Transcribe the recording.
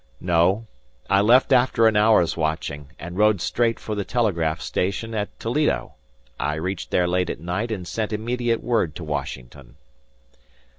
"No; I left after an hour's watching, and rode straight for the telegraph station at Toledo. I reached there late at night and sent immediate word to Washington."